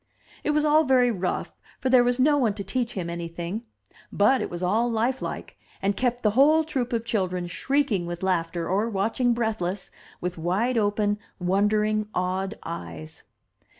It was all very rough, for there was no one to teach him anything. But it was all Ufe like, and kept the whole troop of children shrieking with laughter, or watching breathless, with wide open, wondering, awed eyes